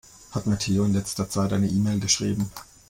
Hat mir Theo in letzter Zeit eine E-Mail geschrieben?